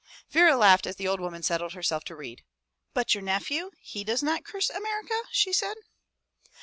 " Vera laughed as the old woman settled herself to read. "But your nephew, he does not curse America?" she said.